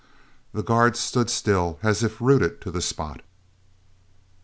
The guard stood still as if rooted to the spot.